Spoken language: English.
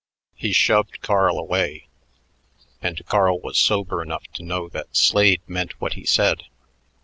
He shoved Carl away, and Carl was sober enough to know that Slade meant what he said.